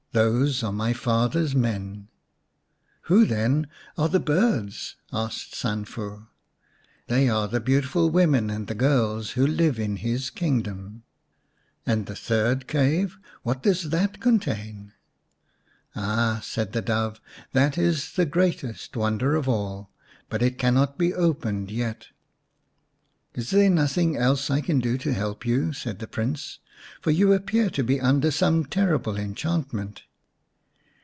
" Those are my father's men." " Who then are the birds ?" asked Sanfu. " They are the beautiful women and the girls who live in his kingdom." "And the third cave? What does that contain ?" 243 The White Dove xx "Ah!" said the Dove. "That is the greatest wonder of all. But it cannot be opened yet." " Is there nothing else I can do to help you ?" said the Prince. " For you appear to be under some terrible enchantment."